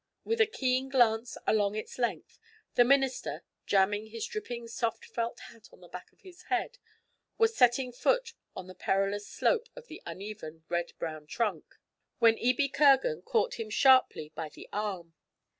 With a keen glance along its length, the minister, jamming his dripping soft felt hat on the back of his head, was setting foot on the perilous slope of the uneven red brown trunk, when Ebie Kirgan caught him sharply by the arm.